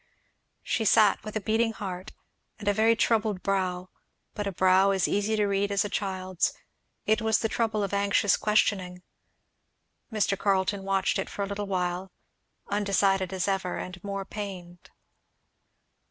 She sat with a beating heart and a very troubled brow, but a brow as easy to read as a child's. It was the trouble of anxious questioning. Mr. Carleton watched it for a little while, undecided as ever, and more pained.